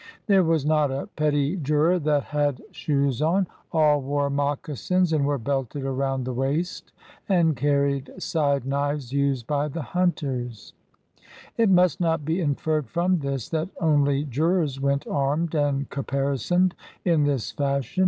There was not a petit juror that had 20 PRIMITIVE PRACTICE IN INDIANA shoes on; all wore moccasins and were belted around the waist and carried side knives used by the hunters." It must not be inferred from this that only jurors went armed and caparisoned in this fashion.